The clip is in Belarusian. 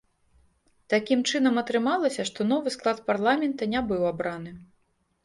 Такім чынам, атрымалася, што новы склад парламента не быў абраны.